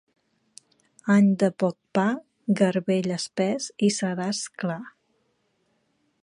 Any de poc pa, garbell espès i sedàs clar.